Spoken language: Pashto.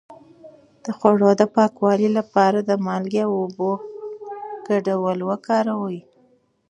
د خوړو د پاکوالي لپاره د مالګې او اوبو ګډول وکاروئ